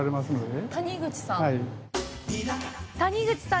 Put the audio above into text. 谷口さん？